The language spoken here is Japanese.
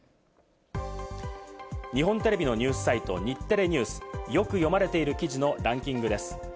日本テレビのニュースサイト日テレＮＥＷＳ、よく読まれている記事のランキングです。